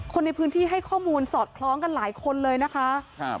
คนในพื้นที่ให้ข้อมูลสอดคล้องกันหลายคนเลยนะคะครับ